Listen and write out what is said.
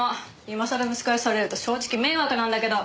今さら蒸し返されると正直迷惑なんだけど。